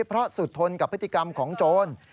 เพราะสุดทนกับพฤติกรรมของโจร